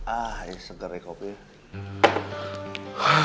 ah ini seger ya kopinya